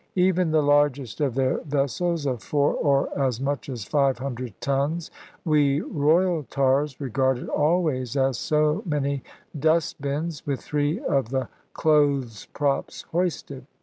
Even the largest of their vessels, of four or as much as five hundred tons, we royal tars regarded always as so many dust bins with three of the clothes props hoisted.